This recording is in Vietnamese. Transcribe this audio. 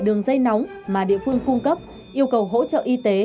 đường dây nóng mà địa phương cung cấp yêu cầu hỗ trợ y tế